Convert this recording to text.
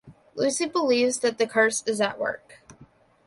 Lucy believes that the curse is at work.